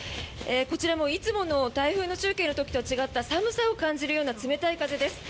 こちらはいつもの台風中継とは違った寒さを感じるような冷たい風です。